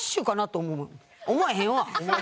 思わへんわ！